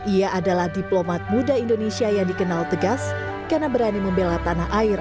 ia adalah diplomat muda indonesia yang dikenal tegas karena berani membela tanah air